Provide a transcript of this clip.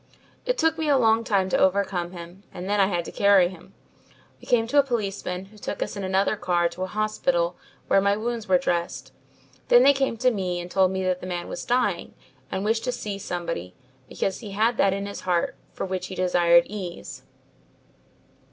"It took me a long time to overcome him and then I had to carry him. We came to a policeman who took us in another car to a hospital where my wounds were dressed. Then they came to me and told me the man was dying and wished to see somebody because he had that in his heart for which he desired ease.